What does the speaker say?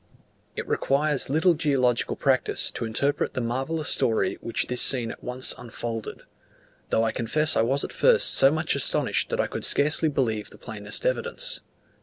It required little geological practice to interpret the marvellous story which this scene at once unfolded; though I confess I was at first so much astonished that I could scarcely believe the plainest evidence.